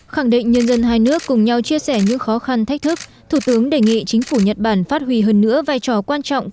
khẳng định nhân dân hai nước cùng nhau chia sẻ những khó khăn thách thức thủ tướng đề nghị chính phủ nhật bản phát huy hơn nữa vai trò quan trọng